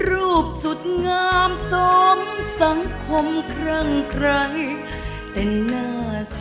รูปสุดงามสมสังคมเครื่องใครแต่หน้าเสียดายใจทดสกัน